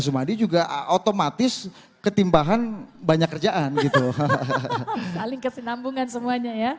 sumadi juga otomatis ketimbangan banyak kerjaan gitu hahaha saling kesenambungan semuanya ya